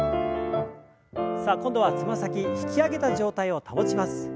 さあ今度はつま先引き上げた状態を保ちます。